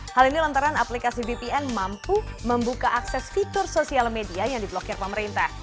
hal ini lantaran aplikasi vpn mampu membuka akses fitur sosial media yang diblokir pemerintah